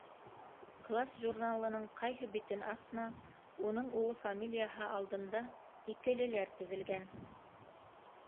Класс журналының ҡайһы битен асма - уның улы фамилияһы алдында «икеле»ләр теҙелгән.